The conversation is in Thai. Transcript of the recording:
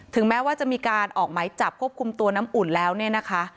แม้ว่าจะมีการออกไหมจับควบคุมตัวน้ำอุ่นแล้วเนี่ยนะคะ